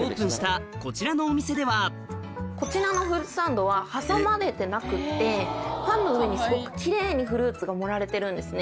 こちらのフルーツサンドは挟まれてなくってパンの上にすごく奇麗にフルーツが盛られてるんですね。